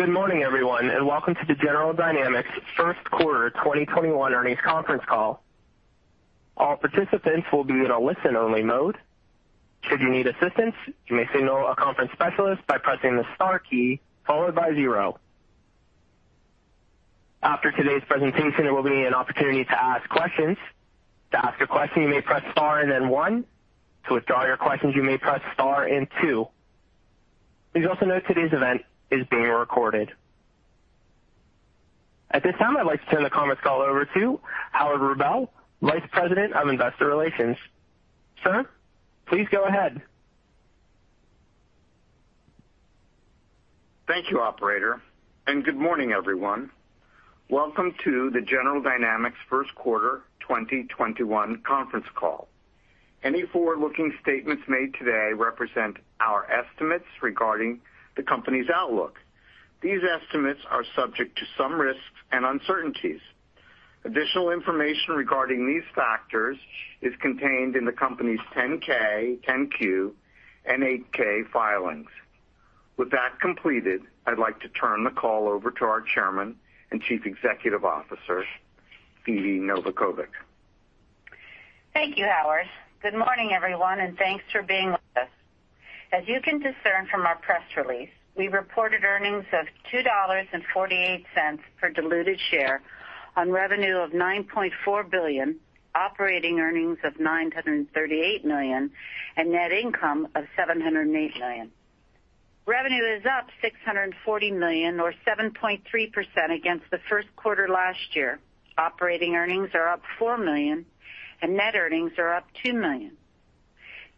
Good morning, everyone, and welcome to the General Dynamics first quarter 2021 earnings conference call. All participants will be on a listen-only mode. Should you need assistance you may signal a conference specialist by pressing star followed by zero. After today's presentation there will be an opportunity to ask questions. To ask a question you may press star then one, to withdraw a question you may press star and two. Also note today's event is being recorded. At this time, I'd like to turn the conference call over to Howard Rubel, Vice President of Investor Relations. Sir, please go ahead. Thank you, operator, and good morning, everyone. Welcome to the General Dynamics first quarter 2021 conference call. Any forward-looking statements made today represent our estimates regarding the company's outlook. These estimates are subject to some risks and uncertainties. Additional information regarding these factors is contained in the company's 10-K, 10-Q, and 8-K filings. With that completed, I'd like to turn the call over to our Chairman and Chief Executive Officer, Phebe Novakovic. Thank you, Howard. Good morning, everyone, and thanks for being with us. As you can discern from our press release, we reported earnings of $2.48 per diluted share on revenue of $9.4 billion, operating earnings of $938 million, and net income of $708 million. Revenue is up $640 million or 7.3% against the first quarter last year. Operating earnings are up $4 million, and net earnings are up $2 million.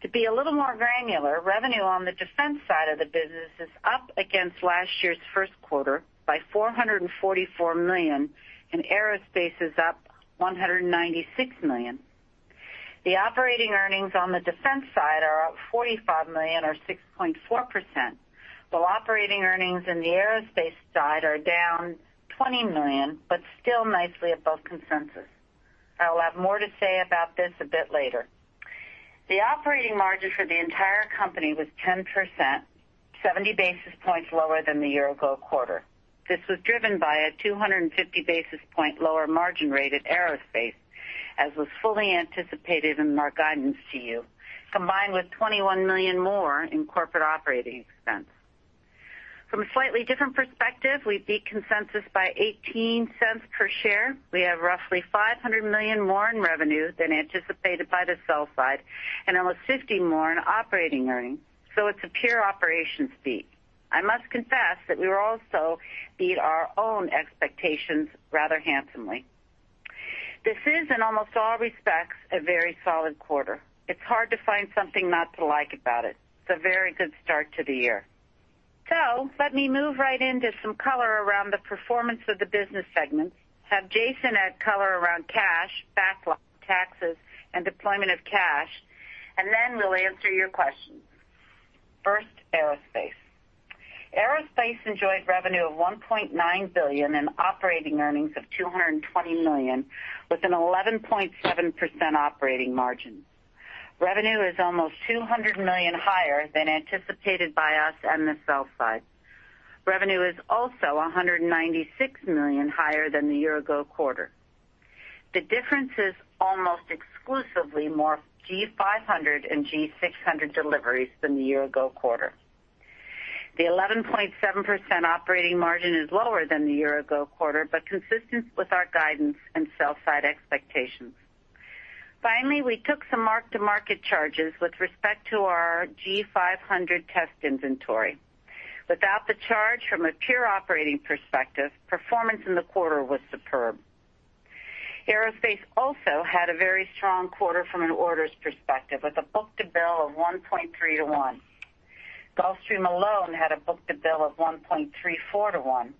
To be a little more granular, revenue on the defense side of the business is up against last year's first quarter by $444 million, and aerospace is up $196 million. The operating earnings on the defense side are up $45 million or 6.4%, while operating earnings in the aerospace side are down $20 million but still nicely above consensus. I'll have more to say about this a bit later. The operating margin for the entire company was 10%, 70 basis points lower than the year-ago quarter. This was driven by a 250 basis point lower margin rate at aerospace, as was fully anticipated in our guidance to you, combined with $21 million more in corporate operating expense. From a slightly different perspective, we beat consensus by $0.18 per share. We have roughly $500 million more in revenue than anticipated by the sell side and almost $50 more in operating earnings. It's a pure operations beat. I must confess that we also beat our own expectations rather handsomely. This is, in almost all respects, a very solid quarter. It's hard to find something not to like about it. It's a very good start to the year. Let me move right into some color around the performance of the business segments, have Jason add color around cash, backlog, taxes, and deployment of cash, and then we'll answer your questions. First, Aerospace. Aerospace enjoyed revenue of $1.9 billion and operating earnings of $220 million, with an 11.7% operating margin. Revenue is almost $200 million higher than anticipated by us and the sell side. Revenue is also $196 million higher than the year-ago quarter. The difference is almost exclusively more G500 and G600 deliveries than the year-ago quarter. The 11.7% operating margin is lower than the year-ago quarter, but consistent with our guidance and sell side expectations. Finally, we took some mark-to-market charges with respect to our G500 test inventory. Without the charge from a pure operating perspective, performance in the quarter was superb. Aerospace also had a very strong quarter from an orders perspective, with a book-to-bill of 1.3:1. Gulfstream alone had a book-to-bill of 1.34:1.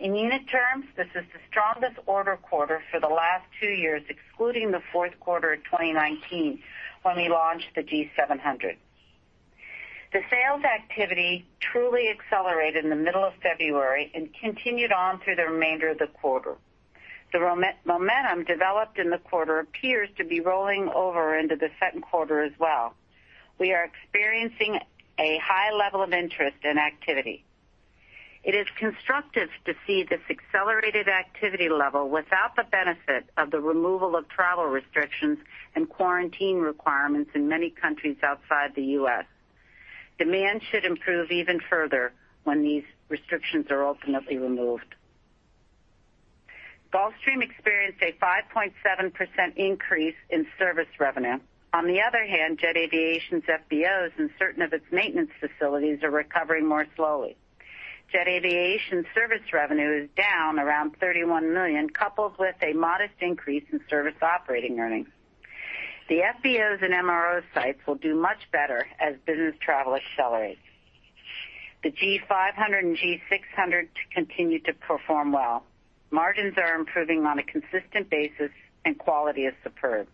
In unit terms, this is the strongest order quarter for the last two years, excluding the fourth quarter of 2019 when we launched the G700. The sales activity truly accelerated in the middle of February and continued on through the remainder of the quarter. The momentum developed in the quarter appears to be rolling over into the second quarter as well. We are experiencing a high level of interest and activity. It is constructive to see this accelerated activity level without the benefit of the removal of travel restrictions and quarantine requirements in many countries outside the U.S. Demand should improve even further when these restrictions are ultimately removed. Gulfstream experienced a 5.7% increase in service revenue. On the other hand, Jet Aviation's FBOs and certain of its maintenance facilities are recovering more slowly. Jet Aviation service revenue is down around $31 million, coupled with a modest increase in service operating earnings. The FBOs and MRO sites will do much better as business travel accelerates. The G500 and G600 continue to perform well. Margins are improving on a consistent basis, and quality is superb.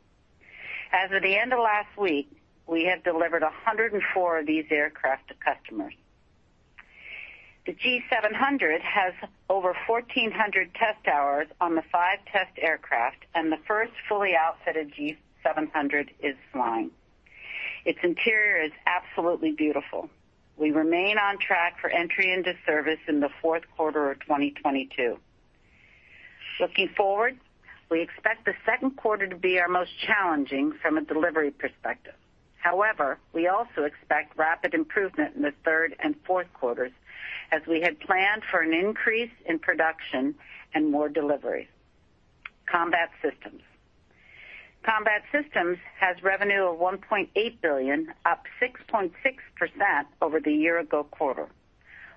As of the end of last week, we have delivered 104 of these aircraft to customers. The G700 has over 1,400 test hours on the five test aircraft, and the first fully outfitted G700 is flying. Its interior is absolutely beautiful. We remain on track for entry into service in the fourth quarter of 2022. Looking forward, we expect the second quarter to be our most challenging from a delivery perspective. However, we also expect rapid improvement in the third and fourth quarters, as we had planned for an increase in production and more deliveries. Combat Systems. Combat Systems has revenue of $1.8 billion, up 6.6% over the year-ago quarter.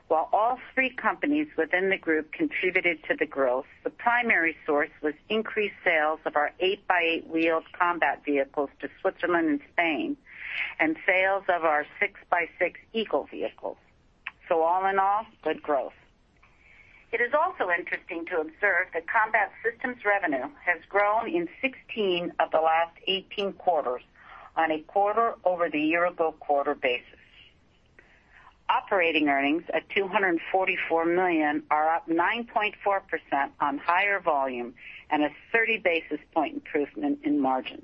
While all three companies within the group contributed to the growth, the primary source was increased sales of our eight by eight wheeled combat vehicles to Switzerland and Spain, and sales of our six by six EAGLE vehicles. All in all, good growth. It is also interesting to observe that Combat Systems revenue has grown in 16 of the last 18 quarters on a quarter-over-the-year-ago-quarter basis. Operating earnings at $244 million are up 9.4% on higher volume and a 30 basis point improvement in margin.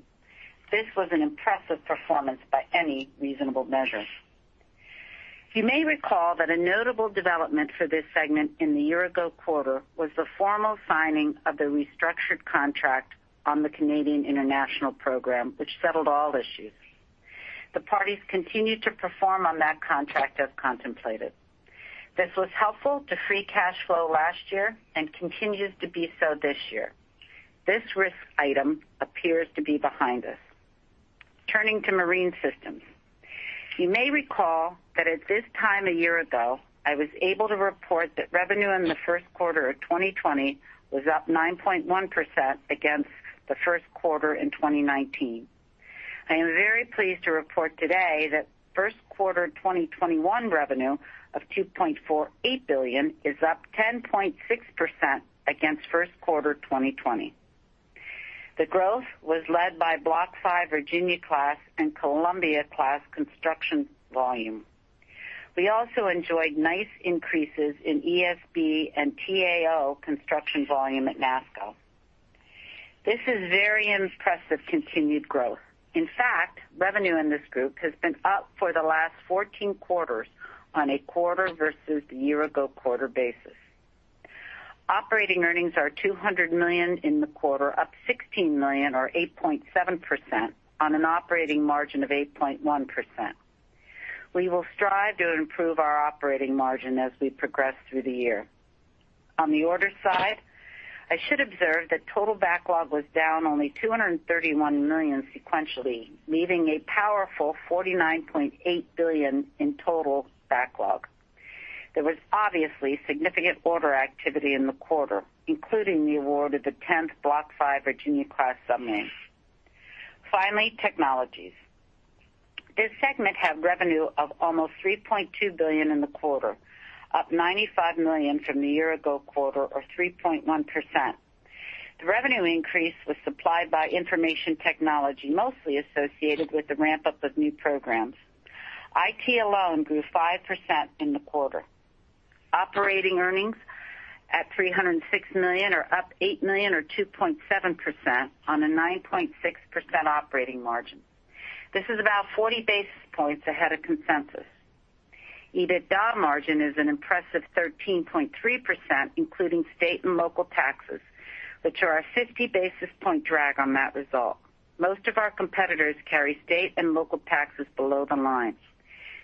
This was an impressive performance by any reasonable measure. You may recall that a notable development for this segment in the year ago quarter was the formal signing of the restructured contract on the Canadian International Program, which settled all issues. The parties continue to perform on that contract as contemplated. This was helpful to free cash flow last year and continues to be so this year. This risk item appears to be behind us. Turning to Marine Systems. You may recall that at this time a year ago, I was able to report that revenue in the first quarter of 2020 was up 9.1% against the first quarter in 2019. I am very pleased to report today that first quarter 2021 revenue of $2.48 billion is up 10.6% against first quarter 2020. The growth was led by Block V Virginia-class and Columbia-class construction volume. We also enjoyed nice increases in ESB and T-AO construction volume at NASSCO. This is very impressive continued growth. In fact, revenue in this group has been up for the last 14 quarters on a quarter versus the year ago quarter basis. Operating earnings are $200 million in the quarter, up $16 million or 8.7% on an operating margin of 8.1%. We will strive to improve our operating margin as we progress through the year. On the order side, I should observe that total backlog was down only $231 million sequentially, leaving a powerful $49.8 billion in total backlog. There was obviously significant order activity in the quarter, including the award of the 10th Block V Virginia-class submarine. Finally, Technologies. This segment had revenue of almost $3.2 billion in the quarter, up $95 million from the year ago quarter or 3.1%. The revenue increase was supplied by information technology, mostly associated with the ramp-up of new programs. IT alone grew 5% in the quarter. Operating earnings at $306 million are up $8 million or 2.7% on a 9.6% operating margin. This is about 40 basis points ahead of consensus. EBITDA margin is an impressive 13.3%, including state and local taxes, which are a 50 basis point drag on that result. Most of our competitors carry state and local taxes below the line.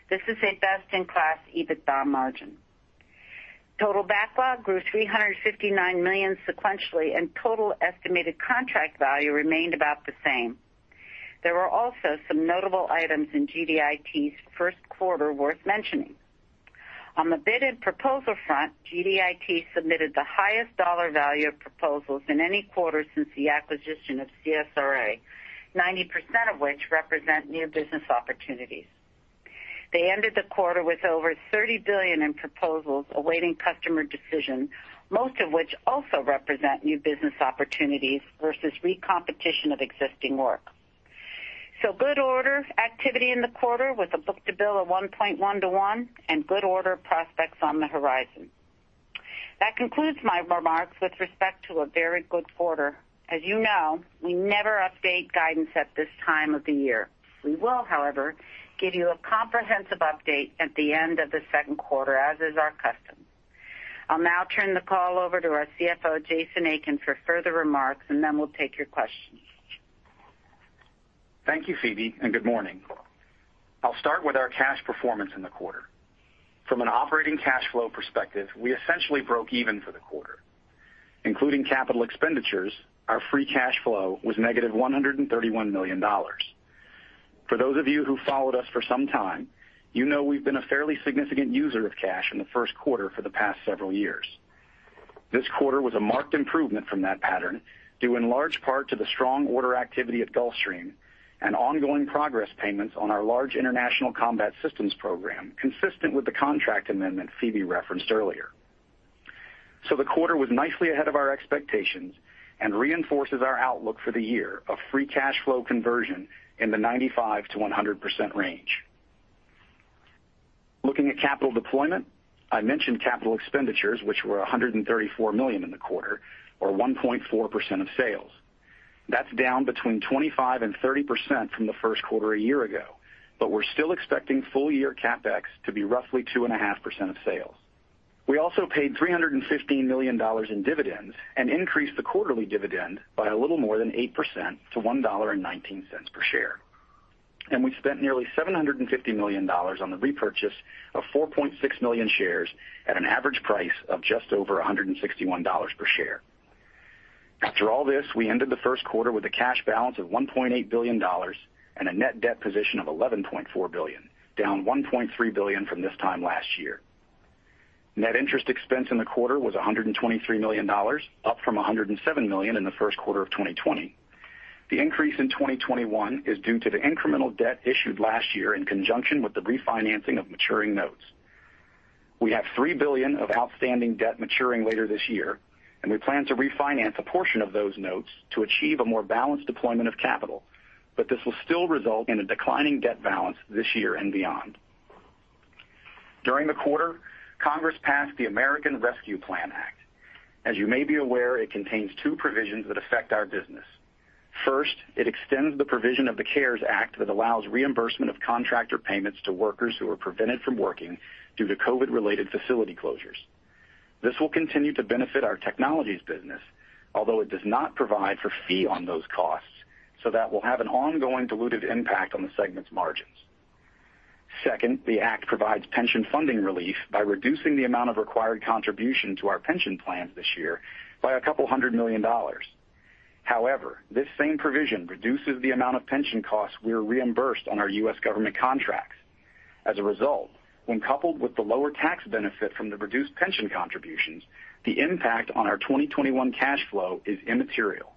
This is a best-in-class EBITDA margin. Total backlog grew $359 million sequentially, and total estimated contract value remained about the same. There were also some notable items in GDIT's first quarter worth mentioning. On the bid and proposal front, GDIT submitted the highest dollar value of proposals in any quarter since the acquisition of CSRA, 90% of which represent new business opportunities. They ended the quarter with over $30 billion in proposals awaiting customer decision, most of which also represent new business opportunities versus re-competition of existing work. Good order activity in the quarter with a book-to-bill of 1.1:1 and good order prospects on the horizon. That concludes my remarks with respect to a very good quarter. As you know, we never update guidance at this time of the year. We will, however, give you a comprehensive update at the end of the second quarter, as is our custom. I'll now turn the call over to our CFO, Jason Aiken, for further remarks, and then we'll take your questions. Thank you, Phebe, and good morning. I'll start with our cash performance in the quarter. From an operating cash flow perspective, we essentially broke even for the quarter. Including capital expenditures, our free cash flow was $-131 million. For those of you who followed us for some time, you know we've been a fairly significant user of cash in the first quarter for the past several years. This quarter was a marked improvement from that pattern due in large part to the strong order activity at Gulfstream and ongoing progress payments on our large international Combat Systems program, consistent with the contract amendment Phebe referenced earlier. The quarter was nicely ahead of our expectations and reinforces our outlook for the year of free cash flow conversion in the 95%-100% range. Looking at capital deployment, I mentioned capital expenditures, which were $134 million in the quarter or 1.4% of sales. That's down between 25%-30% from the first quarter a year ago. We're still expecting full-year CapEx to be roughly 2.5% of sales. We also paid $315 million in dividends and increased the quarterly dividend by a little more than 8% to $1.19 per share. We spent nearly $750 million on the repurchase of 4.6 million shares at an average price of just over $161 per share. After all this, we ended the first quarter with a cash balance of $1.8 billion and a net debt position of $11.4 billion, down $1.3 billion from this time last year. Net interest expense in the quarter was $123 million, up from $107 million in the first quarter of 2020. The increase in 2021 is due to the incremental debt issued last year in conjunction with the refinancing of maturing notes. We have $3 billion of outstanding debt maturing later this year, and we plan to refinance a portion of those notes to achieve a more balanced deployment of capital, but this will still result in a declining debt balance this year and beyond. During the quarter, Congress passed the American Rescue Plan Act. As you may be aware, it contains two provisions that affect our business. First, it extends the provision of the CARES Act that allows reimbursement of contractor payments to workers who are prevented from working due to COVID-related facility closures. This will continue to benefit our technologies business, although it does not provide for fee on those costs, so that will have an ongoing dilutive impact on the segment's margins. Second, the act provides pension funding relief by reducing the amount of required contribution to our pension plans this year by a couple hundred million dollars. However, this same provision reduces the amount of pension costs we are reimbursed on our U.S. government contracts. As a result, when coupled with the lower tax benefit from the reduced pension contributions, the impact on our 2021 cash flow is immaterial.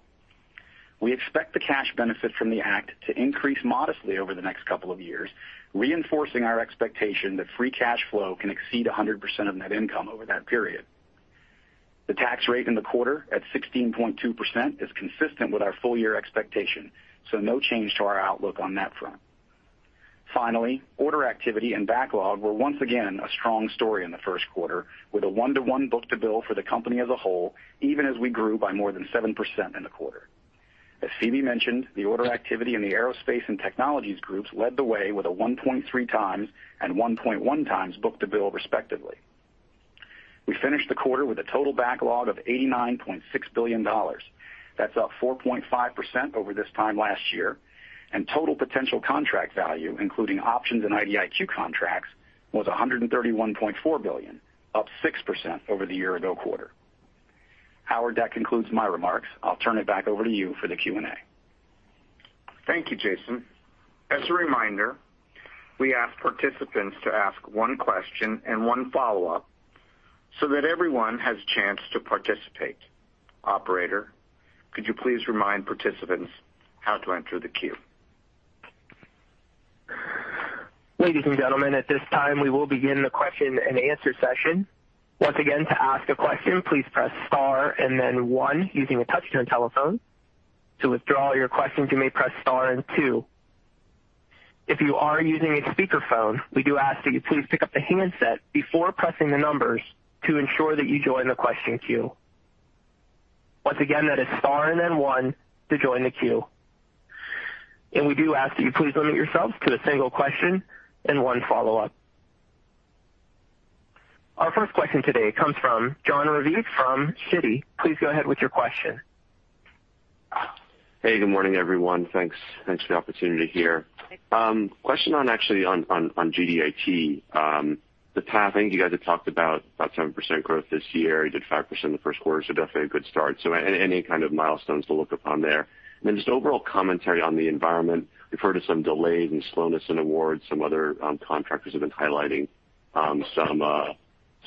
We expect the cash benefit from the act to increase modestly over the next couple of years, reinforcing our expectation that free cash flow can exceed 100% of net income over that period. The tax rate in the quarter at 16.2% is consistent with our full-year expectation, so no change to our outlook on that front. Finally, order activity and backlog were once again a strong story in the first quarter with a one-to-one book-to-bill for the company as a whole, even as we grew by more than 7% in the quarter. As Phebe mentioned, the order activity in the aerospace and technologies groups led the way with a 1.3x and 1.1x book-to-bill respectively. We finished the quarter with a total backlog of $89.6 billion. That's up 4.5% over this time last year, and total potential contract value, including options and IDIQ contracts, was $131.4 billion, up 6% over the year-ago quarter. Howard, that concludes my remarks. I'll turn it back over to you for the Q&A. Thank you, Jason. As a reminder, we ask participants to ask one question and one follow-up so that everyone has a chance to participate. Operator, could you please remind participants how to enter the queue? Ladies and gentlemen, at this time, we will begin the question-and answer-session. Once again, to ask a question, please press star and then one using a touch-tone telephone. To withdraw your questions, you may press star and two. If you are using a speakerphone, we do ask that you please pick up the handset before pressing the numbers to ensure that you join the question queue. Once again, that is star and then one to join the queue. We do ask that you please limit yourself to a single question and one follow-up. Our first question today comes from Jon Raviv from Citi. Please go ahead with your question. Hey, good morning, everyone. Thanks for the opportunity here. Question on actually on GDIT. The path, I think you guys had talked about 7% growth this year. You did 5% in the first quarter, definitely a good start. Any kind of milestones to look upon there? Then just overall commentary on the environment. We've heard of some delays and slowness in awards. Some other contractors have been highlighting some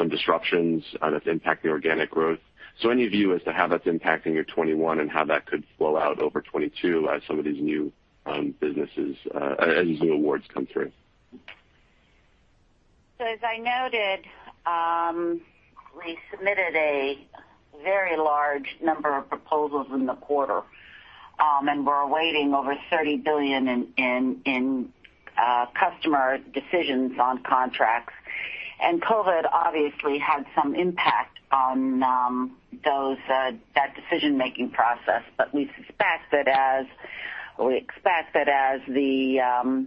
disruptions that's impacting organic growth. Any view as to how that's impacting your 2021 and how that could flow out over 2022 as some of these new awards come through? As I noted, we submitted a very large number of proposals in the quarter, and we're awaiting over $30 billion in customer decisions on contracts. COVID obviously had some impact on that decision-making process. We expect that as the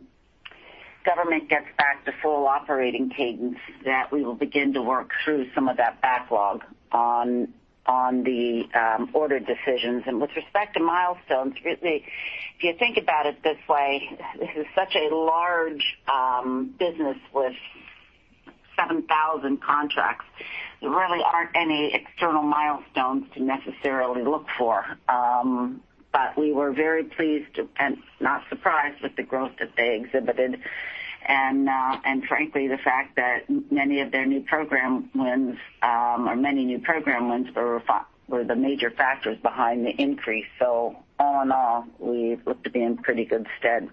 government gets back to full operating cadence, that we will begin to work through some of that backlog on the order decisions. With respect to milestones, really, if you think about it this way, this is such a large business with 7,000 contracts. There really aren't any external milestones to necessarily look for. We were very pleased and not surprised with the growth that they exhibited. Frankly, the fact that many new program wins were the major factors behind the increase. All in all, we look to be in pretty good stead.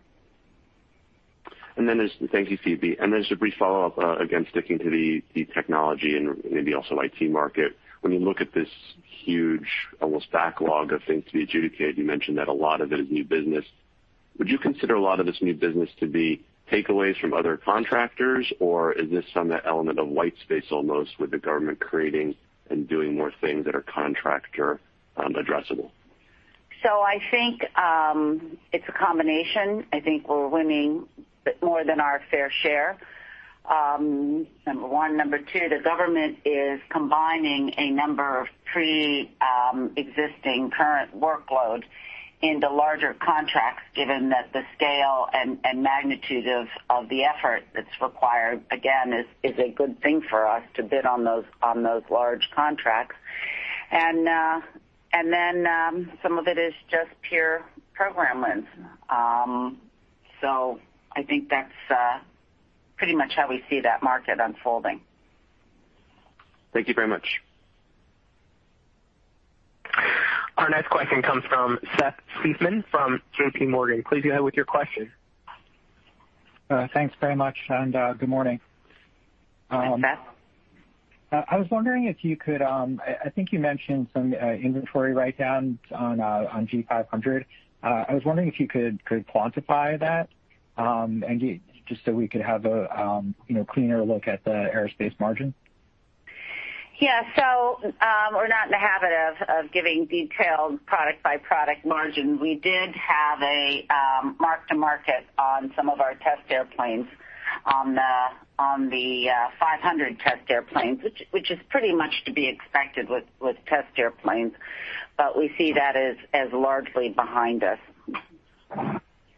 Thank you, Phebe. Then just a brief follow-up, again, sticking to the technology and maybe also IT market. When you look at this huge, almost backlog of things to be adjudicated, you mentioned that a lot of it is new business. Would you consider a lot of this new business to be takeaways from other contractors, or is this some element of white space almost with the government creating and doing more things that are contractor addressable? I think it's a combination. I think we're winning more than our fair share, number one. Number two, the government is combining a number of preexisting current workloads into larger contracts, given that the scale and magnitude of the effort that's required, again, is a good thing for us to bid on those large contracts. Then some of it is just pure program wins. I think that's pretty much how we see that market unfolding. Thank you very much. Our next question comes from Seth Seifman from JPMorgan. Please go ahead with your question. Thanks very much, and good morning. Hi, Seth. I think you mentioned some inventory writedowns on G500. I was wondering if you could quantify that, just so we could have a cleaner look at the aerospace margin. Yeah. We're not in the habit of giving detailed product-by-product margins. We did have a mark-to-market on some of our test airplanes, on the G500 test airplanes, which is pretty much to be expected with test airplanes. We see that as largely behind us.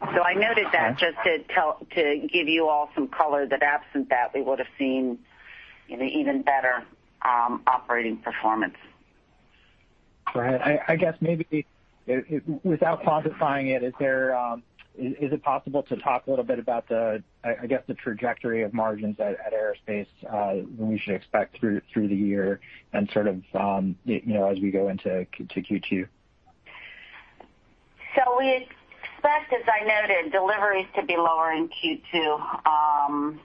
I noted that just to give you all some color that absent that, we would've seen an even better operating performance. Go ahead. I guess maybe without quantifying it, is it possible to talk a little bit about the, I guess, the trajectory of margins at Aerospace that we should expect through the year and sort of as we go into Q2? We expect, as I noted, deliveries to be lower in Q2,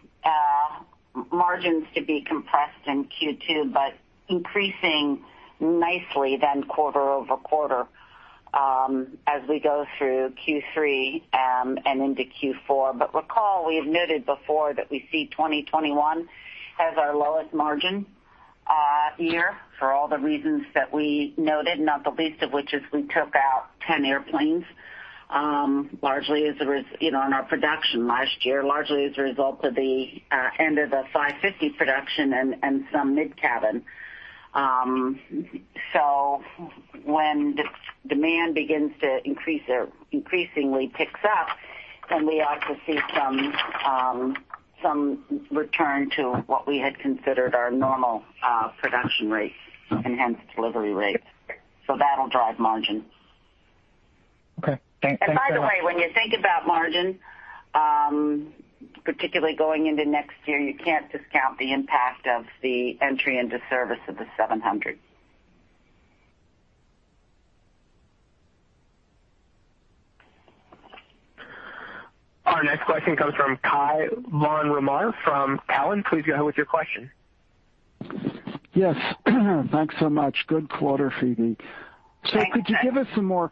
margins to be compressed in Q2, but increasing nicely then quarter-over-quarter, as we go through Q3 and into Q4. Recall we admitted before that we see 2021 as our lowest margin year for all the reasons that we noted, not the least of which is we took out 10 airplanes in our production last year, largely as a result of the end of the 550 production and some mid-cabin. When demand begins to increasingly picks up, then we also see some return to what we had considered our normal production rates and hence delivery rates. That'll drive margin. Okay. Thanks for that. By the way, when you think about margin, particularly going into next year, you can't discount the impact of the entry into service of the G700. Our next question comes from Cai von Rumohr from Cowen. Please go ahead with your question. Yes. Thanks so much. Good quarter, Phebe. Thanks, Cai. Could you give us some more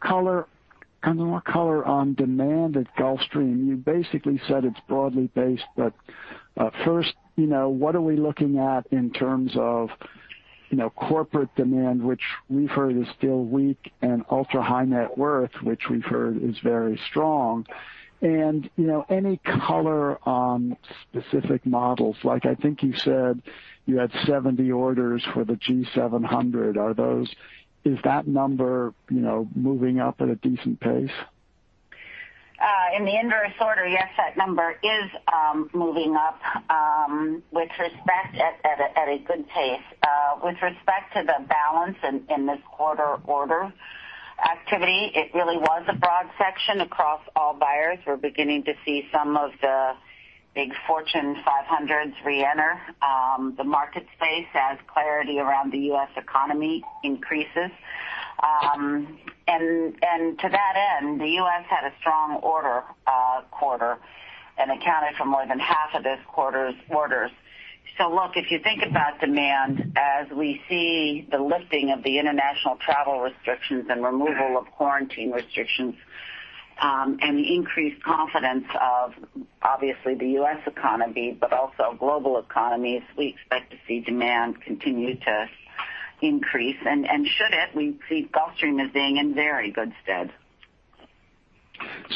color on demand at Gulfstream? You basically said it's broadly based. First, what are we looking at in terms of corporate demand, which we've heard is still weak, and ultra-high net worth, which we've heard is very strong? Any color on specific models? I think you said you had 70 orders for the G700. Is that number moving up at a decent pace? In the inverse order, yes, that number is moving up at a good pace. With respect to the balance in this quarter order activity, it really was a broad section across all buyers. We're beginning to see some of the big Fortune 500s reenter the market space as clarity around the U.S. economy increases. To that end, the U.S. had a strong order quarter and accounted for more than half of this quarter's orders. Look, if you think about demand, as we see the lifting of the international travel restrictions and removal of quarantine restrictions, and the increased confidence of obviously the U.S. economy, but also global economies, we expect to see demand continue to increase. Should it, we see Gulfstream as being in very good stead.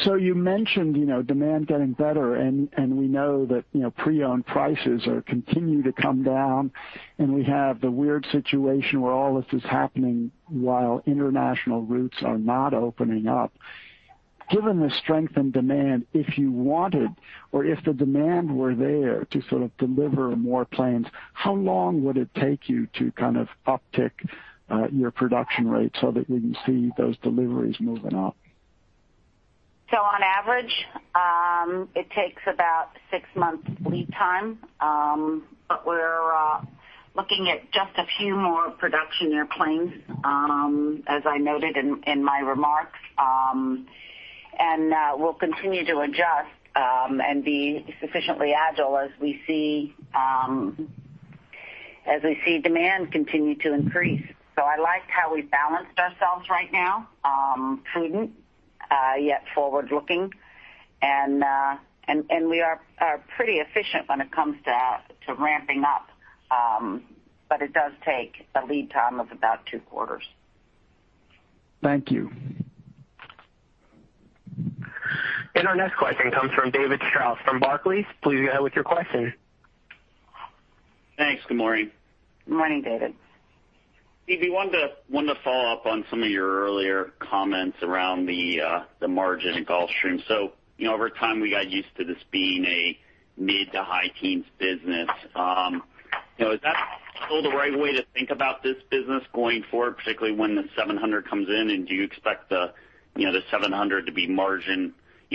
You mentioned demand getting better. We know that pre-owned prices are continuing to come down. We have the weird situation where all this is happening while international routes are not opening up. Given the strength in demand, if you wanted or if the demand were there to sort of deliver more planes, how long would it take you to kind of uptick your production rate so that we can see those deliveries moving up? On average, it takes about six months lead time. We're looking at just a few more production airplanes, as I noted in my remarks. We'll continue to adjust, and be sufficiently agile as we see demand continue to increase. I like how we balanced ourselves right now. Prudent, yet forward-looking. We are pretty efficient when it comes to ramping up, but it does take a lead time of about two quarters. Thank you. Our next question comes from David Strauss from Barclays. Please go ahead with your question. Thanks. Good morning. Good morning, David. Phebe, wanted to follow up on some of your earlier comments around the margin at Gulfstream. Over time, we got used to this being a mid to high teens business. Is that still the right way to think about this business going forward, particularly when the G700 comes in? Do you expect the G700 to be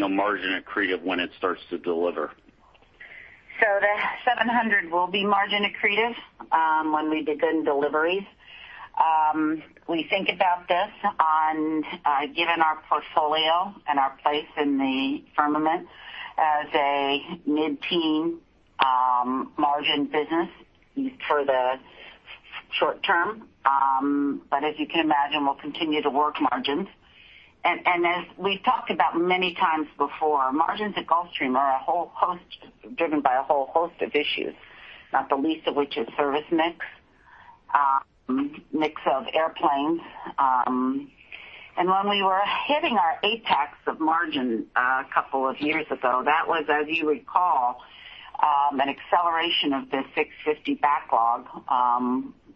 margin accretive when it starts to deliver? The G700 will be margin accretive when we begin deliveries. We think about this on, given our portfolio and our place in the firmament, as a mid-teen margin business for the short-term. As you can imagine, we'll continue to work margins. As we've talked about many times before, margins at Gulfstream are driven by a whole host of issues, not the least of which is service mix of airplanes. When we were hitting our apex of margin a couple of years ago, that was, as you recall, an acceleration of the G650 backlog,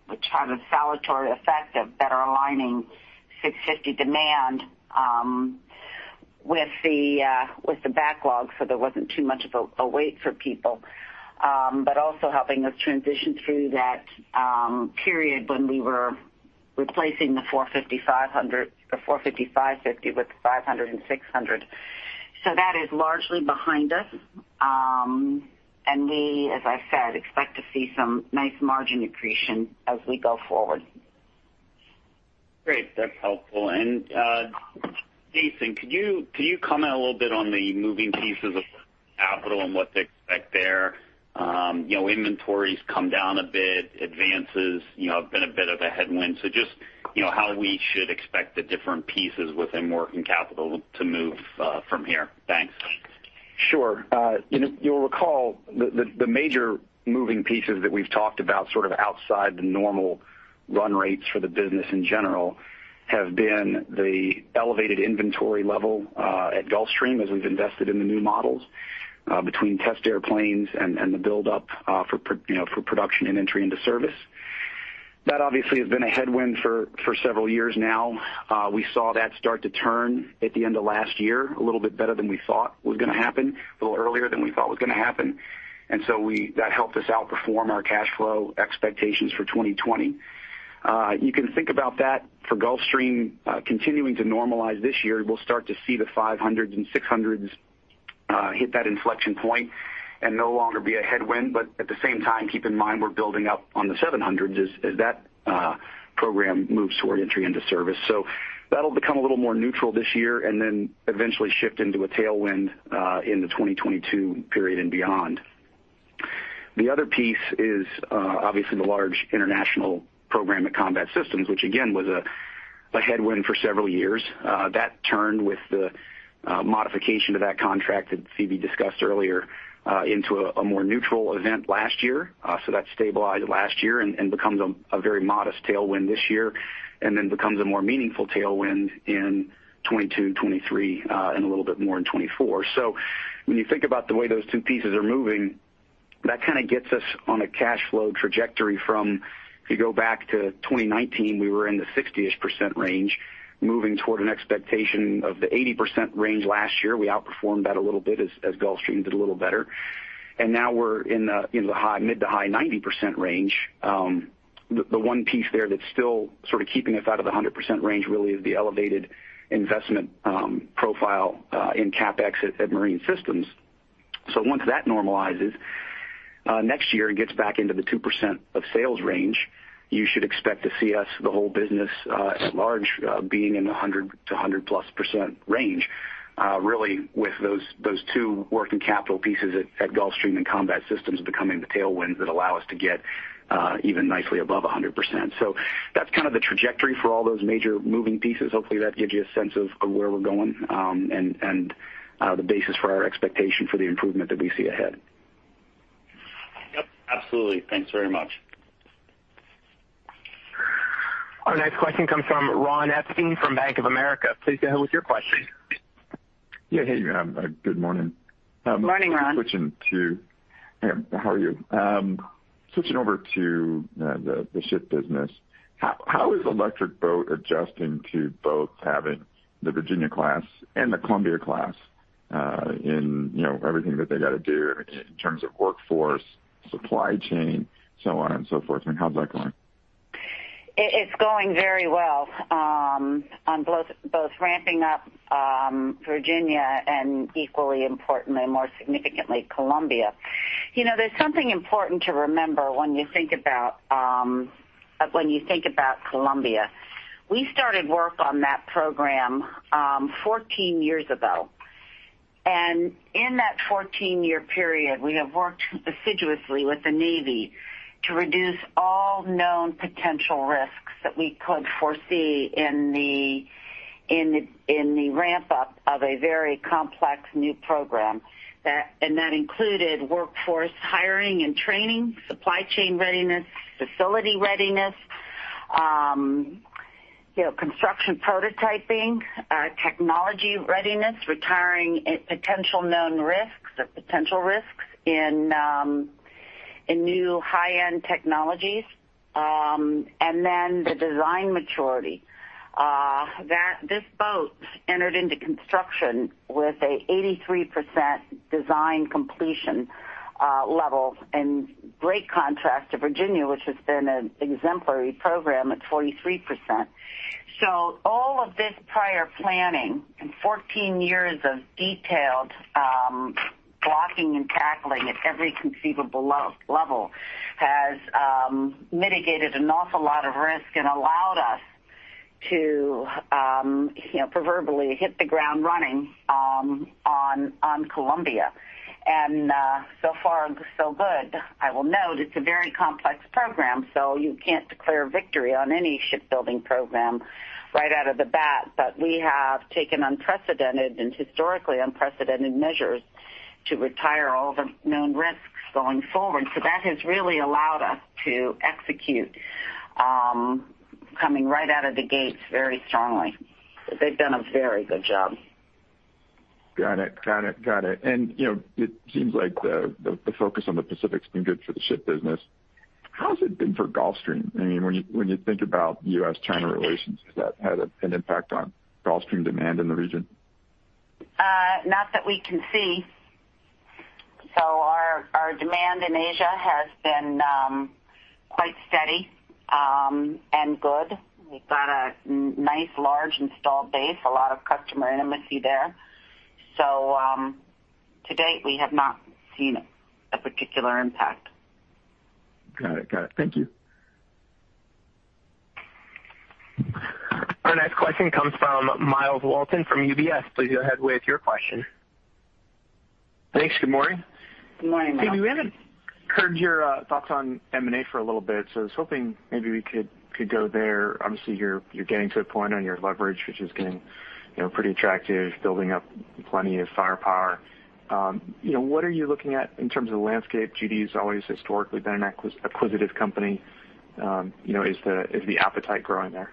which had a salutary effect of better aligning G650 demand with the backlog, so there wasn't too much of a wait for people. Also helping us transition through that period when we were replacing the G450, G550 with the G500 and G600. That is largely behind us. We, as I've said, expect to see some nice margin accretion as we go forward. Great. That's helpful. Jason, could you comment a little bit on the moving pieces of capital and what to expect there? Inventories come down a bit. Advances have been a bit of a headwind. Just how we should expect the different pieces within working capital to move from here. Thanks. Sure. You'll recall the major moving pieces that we've talked about, sort of outside the normal run rates for the business in general, have been the elevated inventory level at Gulfstream as we've invested in the new models between test airplanes and the buildup for production and entry into service. That obviously has been a headwind for several years now. We saw that start to turn at the end of last year, a little bit better than we thought was going to happen, a little earlier than we thought was going to happen. That helped us outperform our cash flow expectations for 2020. You can think about that for Gulfstream continuing to normalize this year. We'll start to see the G500 and G600s hit that inflection point and no longer be a headwind. At the same time, keep in mind, we're building up on the G700s as that program moves toward entry into service. That'll become a little more neutral this year and then eventually shift into a tailwind in the 2022 period and beyond. The other piece is obviously the large international program at Combat Systems, which again, was a headwind for several years. That turned with the modification to that contract that Phebe discussed earlier into a more neutral event last year. That stabilized last year and becomes a very modest tailwind this year, and then becomes a more meaningful tailwind in 2022, 2023, and a little bit more in 2024. When you think about the way those two pieces are moving, that kind of gets us on a cash flow trajectory from, if you go back to 2019, we were in the 60-ish% range, moving toward an expectation of the 80% range last year. We outperformed that a little bit as Gulfstream did a little better. Now we're in the mid to high 90% range. The one piece there that's still sort of keeping us out of the 100% range really is the elevated investment profile in CapEx at Marine Systems. Once that normalizes next year and gets back into the 2% of sales range, you should expect to see us, the whole business at large, being in the 100%+ range. Really, with those two working capital pieces at Gulfstream and Combat Systems becoming the tailwinds that allow us to get even nicely above 100%. That's kind of the trajectory for all those major moving pieces. Hopefully, that gives you a sense of where we're going, and the basis for our expectation for the improvement that we see ahead. Yep, absolutely. Thanks very much. Our next question comes from Ron Epstein from Bank of America. Please go ahead with your question. Yeah. Hey, good morning. Good morning, Ron. Hey, how are you? Switching over to the ship business, how is Electric Boat adjusting to both having the Virginia-class and the Columbia-class in everything that they got to do in terms of workforce, supply chain, so on and so forth? I mean, how's that going? It's going very well on both ramping up Virginia and equally importantly, more significantly, Columbia. There's something important to remember when you think about Columbia. We started work on that program 14 years ago. In that 14-year period, we have worked assiduously with the Navy to reduce all known potential risks that we could foresee in the ramp-up of a very complex new program. That included workforce hiring and training, supply chain readiness, facility readiness, construction prototyping, technology readiness, retiring potential known risks or potential risks in new high-end technologies, and then the design maturity. This boat entered into construction with a 83% design completion level, in great contrast to Virginia, which has been an exemplary program at 43%. All of this prior planning and 14 years of detailed blocking and tackling at every conceivable level has mitigated an awful lot of risk and allowed us to proverbially hit the ground running on Columbia. So far, so good. I will note it's a very complex program, so you can't declare victory on any shipbuilding program right out of the bat. We have taken unprecedented and historically unprecedented measures to retire all the known risks going forward. That has really allowed us to execute, coming right out of the gates very strongly. They've done a very good job. Got it. It seems like the focus on the Pacific's been good for the ship business. How has it been for Gulfstream? When you think about U.S.-China relations, has that had an impact on Gulfstream demand in the region? Not that we can see. Our demand in Asia has been quite steady and good. We've got a nice large installed base, a lot of customer intimacy there. To date, we have not seen a particular impact. Got it. Thank you. Our next question comes from Myles Walton from UBS. Please go ahead with your question. Thanks. Good morning. Good morning, Myles. Phebe, we haven't heard your thoughts on M&A for a little bit, so I was hoping maybe we could go there. Obviously, you're getting to a point on your leverage, which is getting pretty attractive, building up plenty of firepower. What are you looking at in terms of the landscape? GD's always historically been an acquisitive company. Is the appetite growing there?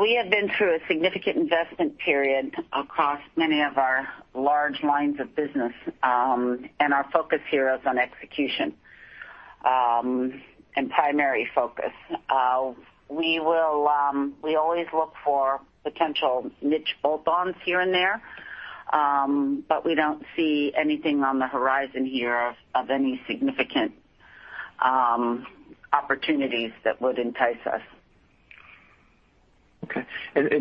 We have been through a significant investment period across many of our large lines of business, and our focus here is on execution and primary focus. We always look for potential niche bolt-ons here and there, but we don't see anything on the horizon here of any significant opportunities that would entice us. Okay.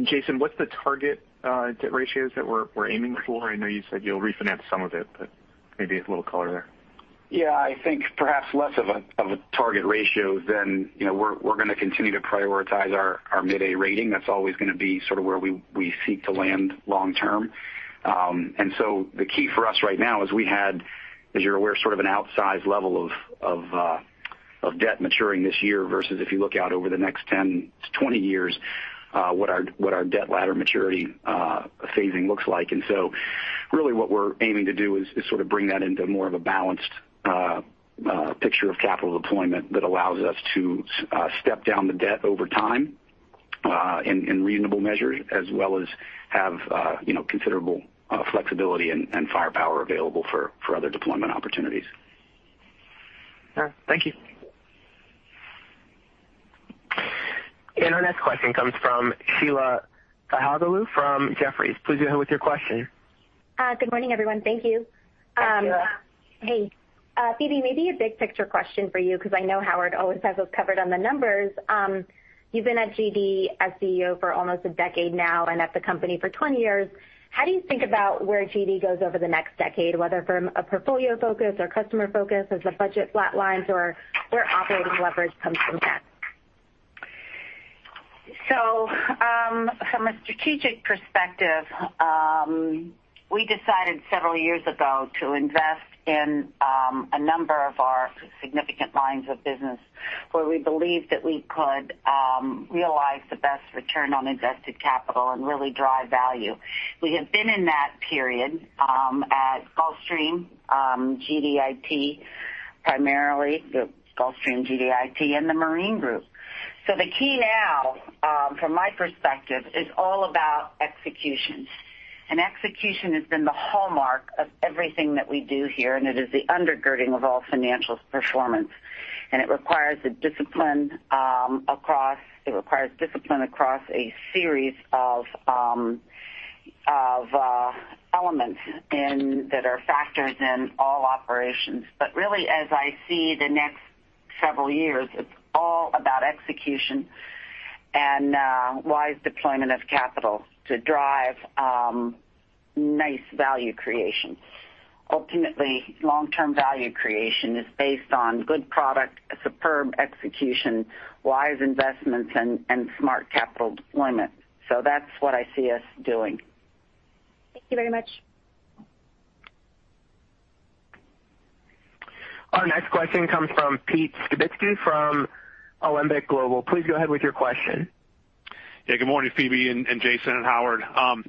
Jason, what's the target debt ratios that we're aiming for? I know you said you'll refinance some of it, but maybe a little color there. Yeah, I think perhaps less of a target ratio than we're going to continue to prioritize our mid-A rating. That's always going to be sort of where we seek to land long term. The key for us right now is we had, as you're aware, sort of an outsized level of debt maturing this year versus if you look out over the next 10 years-20 years, what our debt ladder maturity phasing looks like. Really what we're aiming to do is sort of bring that into more of a balanced picture of capital deployment that allows us to step down the debt over time in reasonable measure, as well as have considerable flexibility and firepower available for other deployment opportunities. Sure. Thank you. Our next question comes from Sheila Kahyaoglu from Jefferies. Please go ahead with your question. Good morning, everyone. Thank you. Hi, Sheila. Hey. Phebe, maybe a big picture question for you because I know Howard always has us covered on the numbers. You've been at GD as CEO for almost a decade now and at the company for 20 years. How do you think about where GD goes over the next decade, whether from a portfolio focus or customer focus as the budget flatlines or where operating leverage comes from that? From a strategic perspective, we decided several years ago to invest in a number of our significant lines of business where we believed that we could realize the best return on invested capital and really drive value. We have been in that period at Gulfstream, GDIT, primarily the Gulfstream GDIT, and the Marine Systems. The key now, from my perspective, is all about execution. Execution has been the hallmark of everything that we do here, and it is the undergirding of all financial performance. It requires discipline across a series of elements that are factors in all operations. Really, as I see the next several years, it's all about execution and wise deployment of capital to drive nice value creation. Ultimately, long-term value creation is based on good product, superb execution, wise investments, and smart capital deployment. That's what I see us doing. Thank you very much. Our next question comes from Pete Skibitski from Alembic Global. Please go ahead with your question. Yeah. Good morning, Phebe, Jason, and Howard.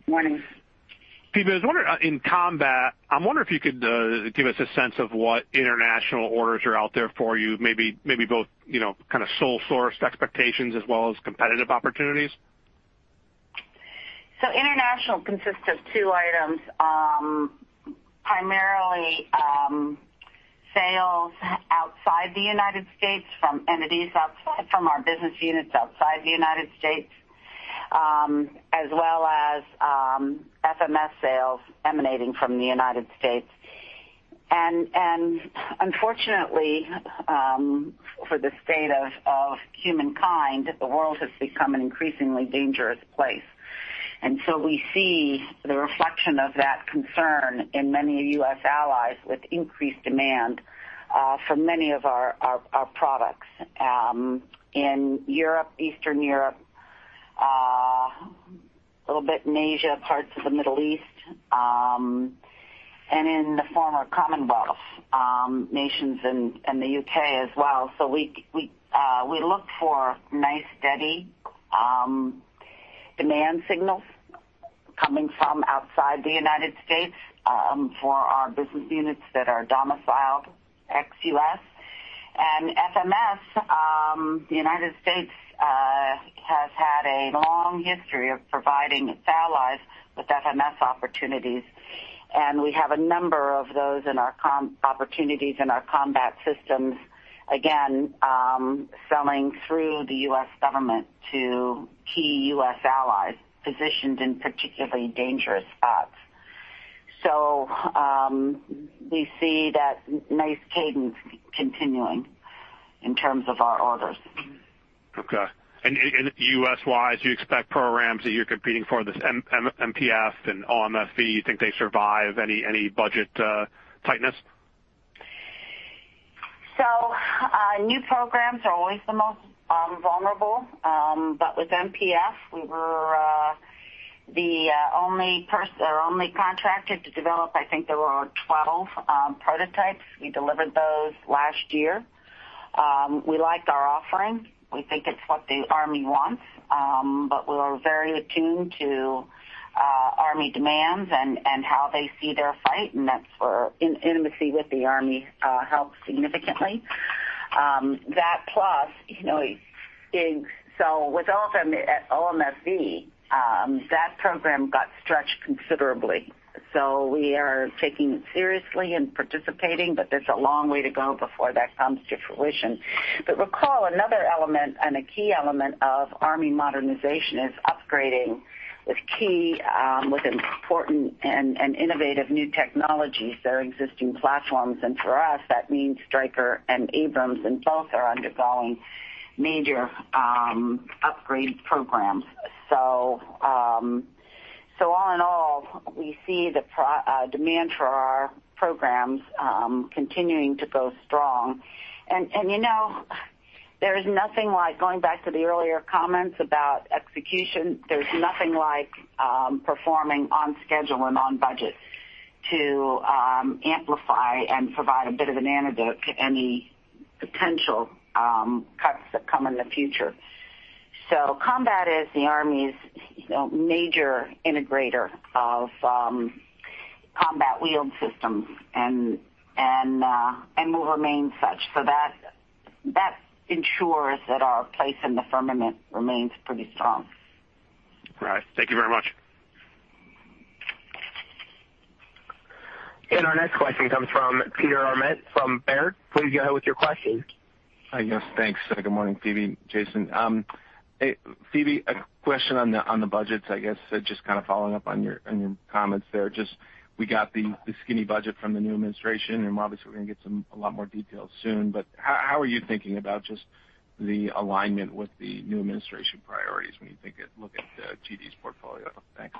Morning. Phebe, I was wondering, in Combat, I'm wondering if you could give us a sense of what international orders are out there for you, maybe both kind of sole source expectations as well as competitive opportunities? International consists of two items, primarily sales outside the U.S. from entities outside, from our business units outside the U.S., as well as FMS sales emanating from the U.S. Unfortunately, for the state of humankind, the world has become an increasingly dangerous place. We see the reflection of that concern in many U.S. allies with increased demand for many of our products in Europe, Eastern Europe, a little bit in Asia, parts of the Middle East, and in the former Commonwealth nations and the U.K. as well. We look for nice, steady demand signals coming from outside the U.S., for our business units that are domiciled ex-U.S. FMS, the U.S. has had a long history of providing its allies with FMS opportunities, and we have a number of those opportunities in our Combat Systems, again, selling through the U.S. government to key U.S. allies positioned in particularly dangerous spots. We see that nice cadence continuing in terms of our orders. Okay. U.S.-wise, you expect programs that you're competing for, this MPF and OMFV, you think they survive any budget tightness? New programs are always the most vulnerable. With MPF, we were the only contracted to develop, I think there were 12 prototypes. We delivered those last year. We liked our offering. We think it's what the Army wants. We're very attuned to Army demands and how they see their fight, and that's where intimacy with the Army helped significantly. With OMFV, that program got stretched considerably. We are taking it seriously and participating, but there's a long way to go before that comes to fruition. Recall another element, and a key element of Army modernization is upgrading with key, with important and innovative new technologies, their existing platforms. For us, that means Stryker and Abrams, and both are undergoing major upgrade programs. All in all, we see the demand for our programs continuing to go strong. Going back to the earlier comments about execution, there's nothing like performing on schedule and on budget to amplify and provide a bit of an antidote to any potential cuts that come in the future. Combat is the Army's major integrator of combat wheeled systems and will remain such. That ensures that our place in the firmament remains pretty strong. Right. Thank you very much. Our next question comes from Peter Arment from Baird. Please go ahead with your question. Yes. Thanks. Good morning, Phebe, Jason. Hey, Phebe, a question on the budgets, I guess, just kind of following up on your comments there. Just we got the skinny budget from the new administration, and obviously we're going to get a lot more details soon, but how are you thinking about just the alignment with the new administration priorities when you look at GD's portfolio? Thanks.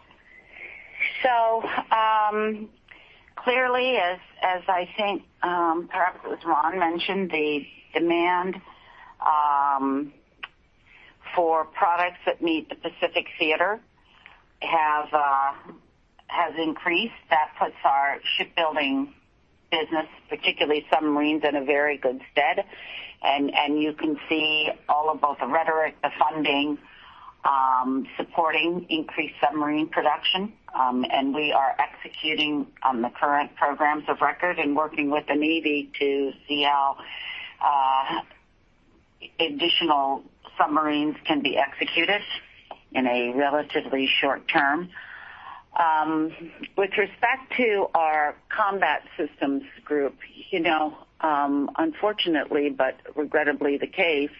Clearly as I think, perhaps as Ron mentioned, the demand for products that meet the Pacific theater has increased. That puts our shipbuilding business, particularly submarines, in a very good stead. You can see all of both the rhetoric, the funding, supporting increased submarine production. We are executing on the current programs of record and working with the Navy to see how additional submarines can be executed in a relatively short-term. With respect to our Combat Systems group, unfortunately, but regrettably the case,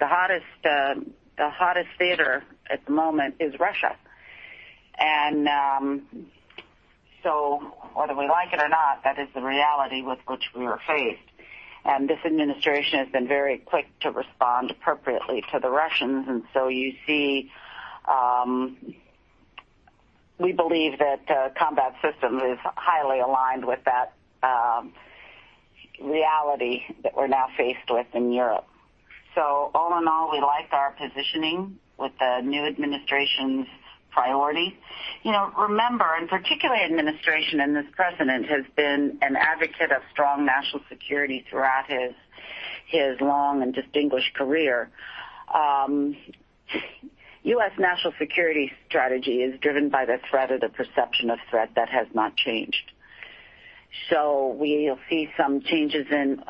the hottest theater at the moment is Russia. Whether we like it or not, that is the reality with which we are faced. This administration has been very quick to respond appropriately to the Russians. You see, we believe that Combat Systems is highly aligned with that reality that we're now faced with in Europe. All in all, we like our positioning with the new administration's priority. Remember, particularly administration and this president has been an advocate of strong national security throughout his long and distinguished career. U.S. national security strategy is driven by the threat of the perception of threat. That has not changed. We'll see some changes in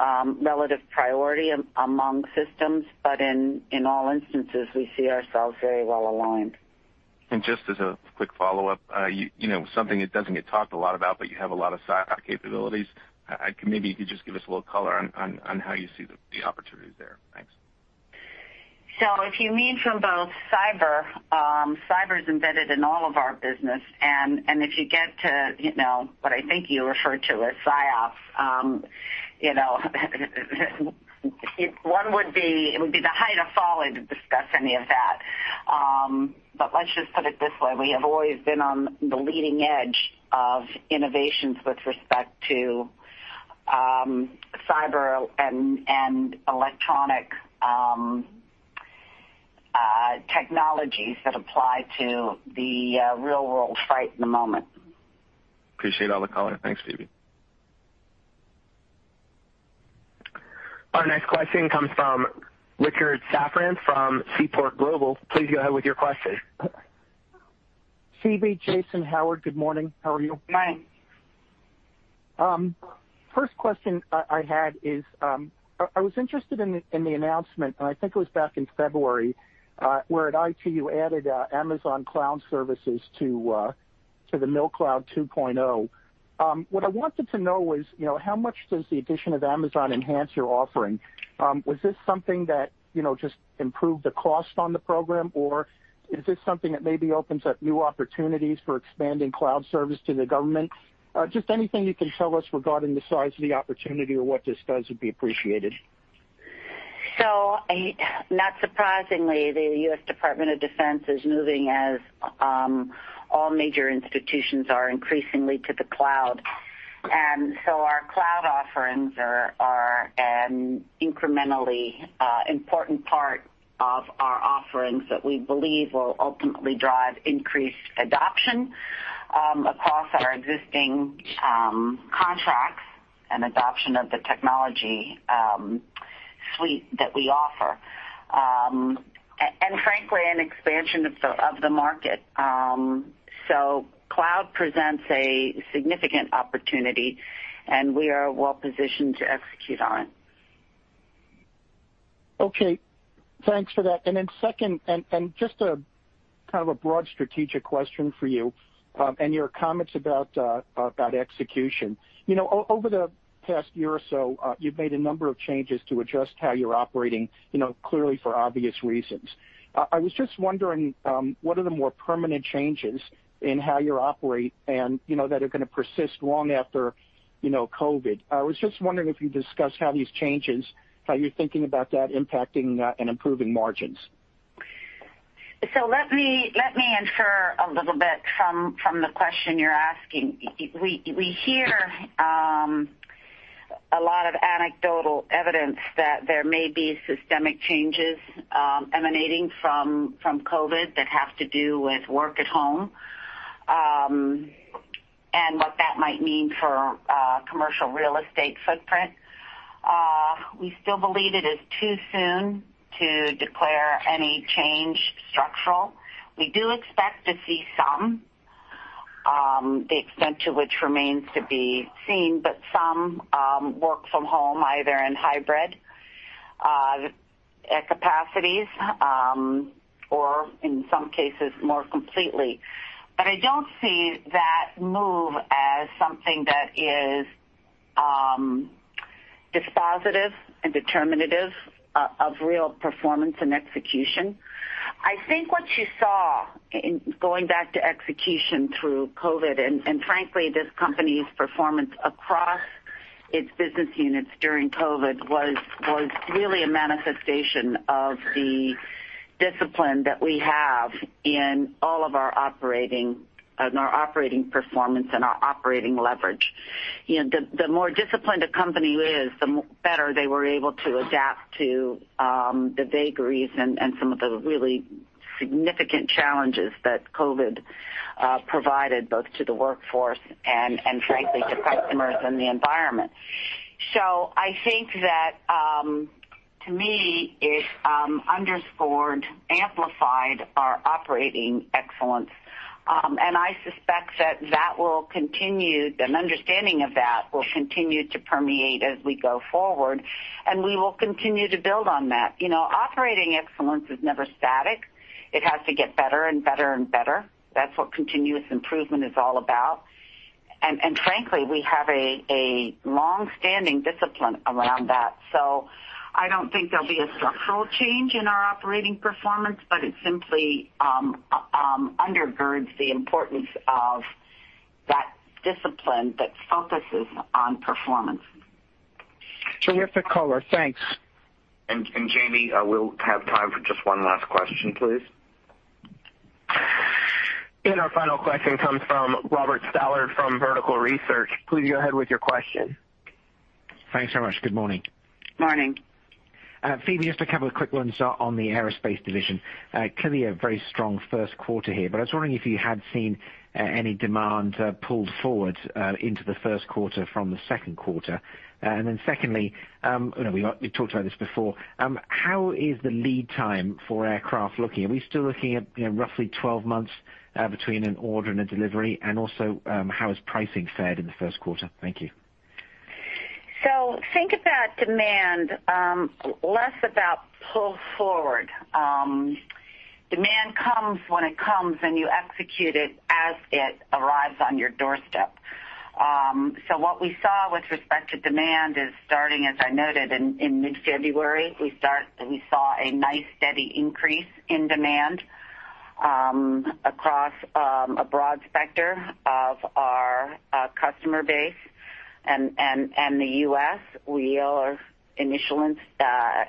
relative priority among systems, but in all instances, we see ourselves very well-aligned. Just as a quick follow-up, something that doesn't get talked a lot about, but you have a lot of cyber ops capabilities. Maybe you could just give us a little color on how you see the opportunities there. Thanks. If you mean from both cyber's embedded in all of our business and if you get to what I think you referred to as SIOPs, it would be the height of folly to discuss any of that. Let's just put it this way, we have always been on the leading edge of innovations with respect to cyber and electronic technologies that apply to the real-world fight in the moment. Appreciate all the color. Thanks, Phebe. Our next question comes from Richard Safran from Seaport Global. Please go ahead with your question. Phebe, Jason, Howard, good morning. How are you? Fine. First question I had is, I was interested in the announcement, and I think it was back in February, where at GDIT you added Amazon Cloud services to the milCloud 2.0. What I wanted to know was, how much does the addition of Amazon enhance your offering? Was this something that just improved the cost on the program, or is this something that maybe opens up new opportunities for expanding cloud service to the government? Just anything you can tell us regarding the size of the opportunity or what this does would be appreciated. Not surprisingly, the U.S. Department of Defense is moving, as all major institutions are, increasingly to the cloud. Our cloud offerings are an incrementally important part of our offerings that we believe will ultimately drive increased adoption across our existing contracts and adoption of the technology suite that we offer. Frankly, an expansion of the market. Cloud presents a significant opportunity, and we are well-positioned to execute on it. Okay. Thanks for that. Second, just kind of a broad strategic question for you and your comments about execution. Over the past year or so, you've made a number of changes to adjust how you're operating, clearly for obvious reasons. I was just wondering, what are the more permanent changes in how you operate that are going to persist long after COVID? I was just wondering if you'd discuss how these changes, how you're thinking about that impacting and improving margins. Let me infer a little bit from the question you're asking. We hear a lot of anecdotal evidence that there may be systemic changes emanating from COVID that have to do with work at home, and what that might mean for commercial real estate footprint. We still believe it is too soon to declare any change structural. We do expect to see some, the extent to which remains to be seen, but some work from home, either in hybrid capacities or in some cases more completely. I don't see that move as something that is dispositive and determinative of real performance and execution. I think what you saw in going back to execution through COVID, and frankly, this company's performance across its business units during COVID, was really a manifestation of the discipline that we have in all of our operating performance and our operating leverage. The more disciplined a company is, the better they were able to adapt to the vagaries and some of the really significant challenges that COVID provided, both to the workforce and frankly, to customers and the environment. I think that, to me, it underscored, amplified our operating excellence. I suspect that an understanding of that will continue to permeate as we go forward, and we will continue to build on that. Operating excellence is never static. It has to get better and better and better. That's what continuous improvement is all about. Frankly, we have a long-standing discipline around that. I don't think there'll be a structural change in our operating performance, but it simply undergirds the importance of discipline that focuses on performance. Terrific, color. Thanks. Jamie, we'll have time for just one last question, please. Our final question comes from Robert Stallard from Vertical Research. Please go ahead with your question. Thanks so much. Good morning. Morning. Phebe, just a couple of quick ones on the aerospace division. Clearly a very strong first quarter here. I was wondering if you had seen any demand pulled forward into the first quarter from the second quarter. Secondly, we talked about this before, how is the lead time for aircraft looking? Are we still looking at roughly 12 months between an order and a delivery? How has pricing fared in the first quarter? Thank you. Think about demand, less about pull forward. Demand comes when it comes, and you execute it as it arrives on your doorstep. What we saw with respect to demand is starting, as I noted, in mid-February, we saw a nice steady increase in demand, across a broad spectrum of our customer base and the U.S. Our initial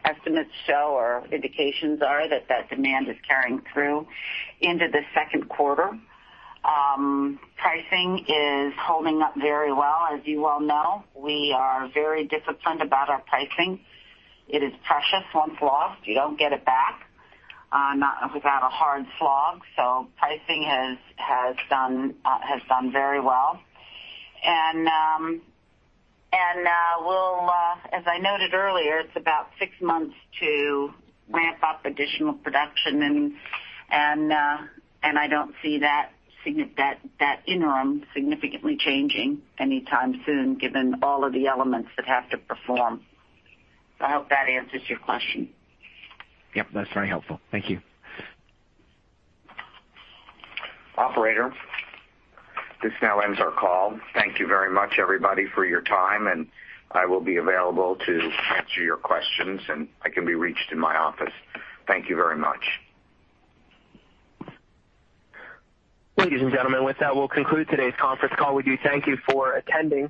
estimates show or indications are that that demand is carrying through into the second quarter. Pricing is holding up very well. As you well know, we are very disciplined about our pricing. It is precious. Once lost, you don't get it back, not without a hard slog. Pricing has done very well. As I noted earlier, it's about six months to ramp up additional production and I don't see that interim significantly changing anytime soon given all of the elements that have to perform. I hope that answers your question. Yep, that's very helpful. Thank you. Operator, this now ends our call. Thank you very much, everybody, for your time, and I will be available to answer your questions, and I can be reached in my office. Thank you very much. Ladies and gentlemen, with that, we'll conclude today's conference call with you. Thank you for attending.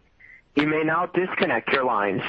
You may now disconnect your lines.